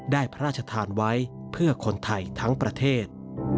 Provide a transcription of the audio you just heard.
พระราชทานไว้เพื่อคนไทยทั้งประเทศ